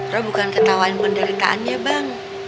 lu bukan ketawain penderitaannya bang